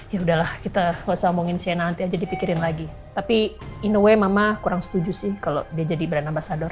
ya udahlah kita yeah sama mungkin nazi jadi pikirin lagi tapi in a way mama kurang setuju sih kalau dia jadi brand ambasador